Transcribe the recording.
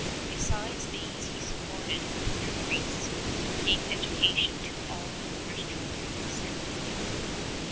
Besides these he supported a hundred priests, and gave education to all the numerous children sent to him.